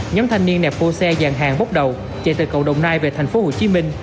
nhóm thanh niên nẹp bô xe dàn hàng bốc đầu chạy từ cầu đồng nai về tp hcm